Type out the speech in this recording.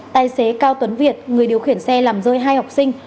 tài xế cao tuấn việt người điều khiển xe làm rơi hai học sinh